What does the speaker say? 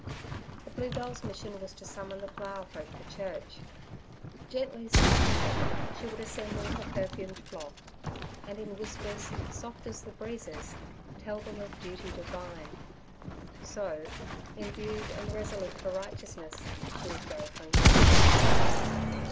The bluebell's mission was to summon the flower folk to church; gently swaying it, she would assemble her perfumed flock, and in whispers soft as the breezes tell them of duty Divine. So, imbued and resolute for righteousness, she would go homeward.